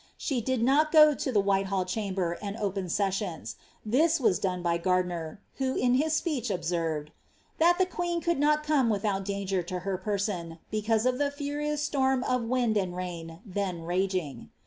She did not go to the Whitehall chamber ?n the sessions ; this was done by Gardiner, who in his speech id, ^ that the queen could not come without danger to her person, i of the furious storm of wind and rain then raging."